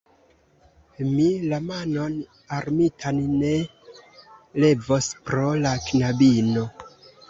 Mi la manon armitan ne levos pro la knabino.